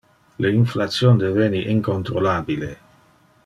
Le inflation deveni incontrolabile.